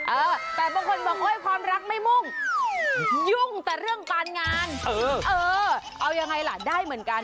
เออแต่บางคนบอกความรักไม่มุ่งยุ่งแต่เรื่องการงานเออเอายังไงล่ะได้เหมือนกัน